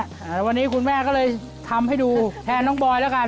แล้ววันนี้คุณแม่ก็เลยทำให้ดูแทนน้องบอยแล้วกัน